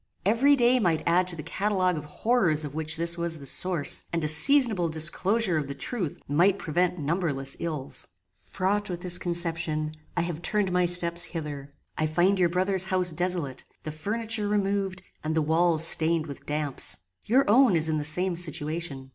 Every day might add to the catalogue of horrors of which this was the source, and a seasonable disclosure of the truth might prevent numberless ills. "Fraught with this conception, I have turned my steps hither. I find your brother's house desolate: the furniture removed, and the walls stained with damps. Your own is in the same situation.